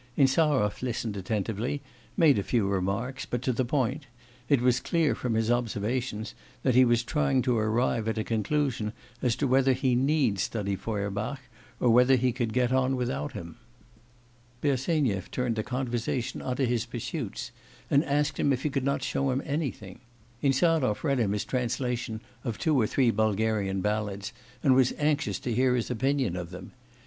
Insarov listened attentively, made few remarks, but to the point; it was clear from his observations that he was trying to arrive at a conclusion as to whether he need study Feuerbach, or whether he could get on without him. Bersenyev turned the conversation on to his pursuits, and asked him if he could not show him anything. Insarov read him his translation of two or three Bulgarian ballads, and was anxious to hear his opinion of them.